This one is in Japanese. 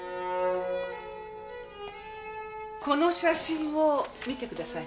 この写真を見てください。